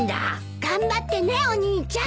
頑張ってねお兄ちゃん。